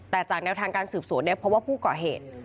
แต่จากแนวทางการสืบสวนเนี่ยเพราะว่าผู้ก่อเหตุ